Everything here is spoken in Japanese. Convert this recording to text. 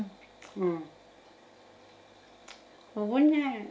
うん。